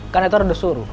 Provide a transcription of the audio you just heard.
kanator udah suruh